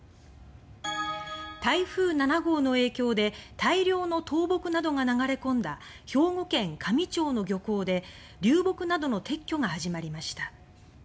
台風７号の影響で大量の倒木などが流れ込んだ兵庫県香美町の漁港で流木などの撤去が始まりました。